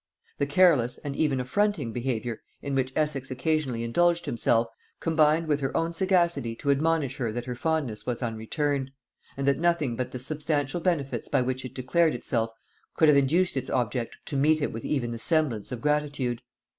The careless and even affronting behaviour in which Essex occasionally indulged himself, combined with her own sagacity to admonish her that her fondness was unreturned; and that nothing but the substantial benefits by which it declared itself could have induced its object to meet it with even the semblance of gratitude.